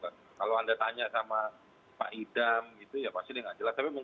kalau anda tanya sama pak idam gitu ya pasti dia nggak jelas